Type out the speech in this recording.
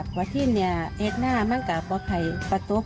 เพราะที่เนี่ยเอกหน้ามั้งก็เพราะไม่เคยประทบ